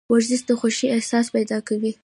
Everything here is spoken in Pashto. ورزش د خوښې احساس پیدا کوي.